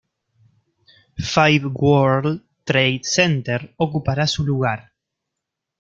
Five World Trade Center ocupará su lugar.